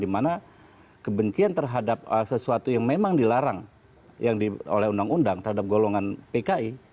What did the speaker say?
dimana kebencian terhadap sesuatu yang memang dilarang yang oleh undang undang terhadap golongan pki